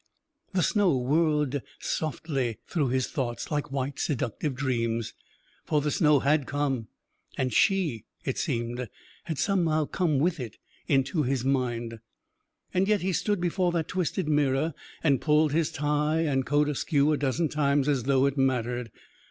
The snow whirred softly through his thoughts like white, seductive dreams.... For the snow had come; and She, it seemed, had somehow come with it into his mind. And yet he stood before that twisted mirror and pulled his tie and coat askew a dozen times, as though it mattered.